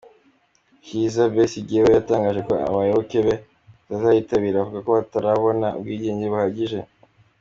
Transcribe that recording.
Kizza Besigye we yatangaje ko abayoboke be batazayitabira avuga ko batarabona ubwigenge buhagije.